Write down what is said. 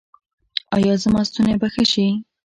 ایا زما ستونی به ښه شي؟